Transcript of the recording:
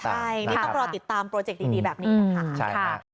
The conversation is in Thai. นี่ต้องรอติดตามโปรเจกต์ดีแบบนี้ค่ะ